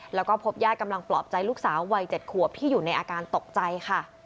แล้วก็พบญาติกำลังปลอบใจลูกสาววัย๗ขวบที่อยู่ในอาการตกใจค่ะ